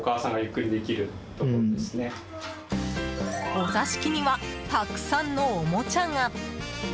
お座敷にはたくさんのおもちゃが。